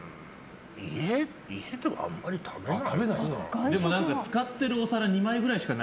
家ではあんまり食べないかな。